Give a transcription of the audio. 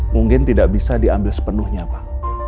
mungkin tidak bisa diambil sepenuhnya pak